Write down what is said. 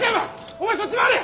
お前そっち回れ！